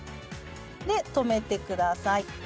で留めてください。